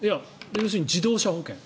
要するに自動車保険。